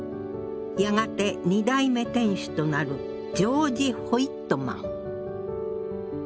やがて二代目店主となるジョージ・ホイットマン。